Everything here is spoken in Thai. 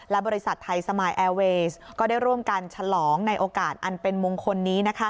และบริษัทไทยสมายแอร์เวสก็ได้ร่วมกันฉลองในโอกาสอันเป็นมงคลนี้